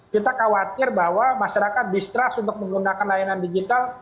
kita khawatir bahwa masyarakat distrust untuk menggunakan layanan digital